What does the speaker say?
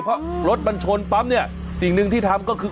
เพราะรถมันชนปั๊บเนี่ยสิ่งหนึ่งที่ทำก็คือ